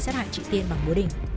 sát hại chị tiên bằng bố đình